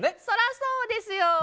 そらそうですよ。